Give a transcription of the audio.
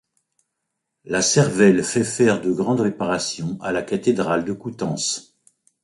La Cervelle fait faire de grandes réparations à la cathédrale de Coutances.